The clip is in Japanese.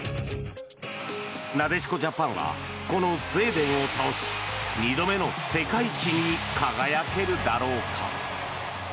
なでしこジャパンはこのスウェーデンを倒し２度目の世界一に輝けるだろうか。